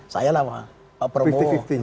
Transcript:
saya lah pak prabowo